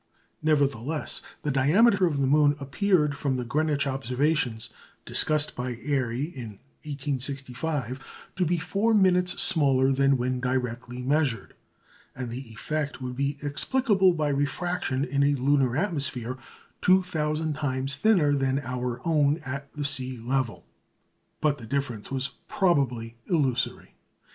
Nevertheless, the diameter of the moon appeared from the Greenwich observations discussed by Airy in 1865 to be 4" smaller than when directly measured; and the effect would be explicable by refraction in a lunar atmosphere 2,000 times thinner than our own at the sea level. But the difference was probably illusory.